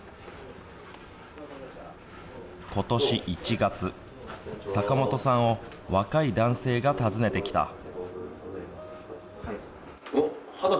ことし１月、坂本さんを若い男性が訪ねてきた。